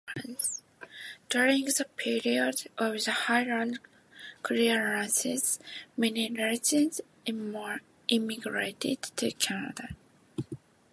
During the period of the Highland Clearances, many residents emigrated to Canada.